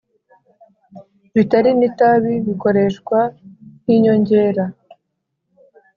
bitari n itabi bikoreshwa nk inyongera